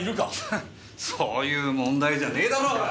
そういう問題じゃねえだろうが！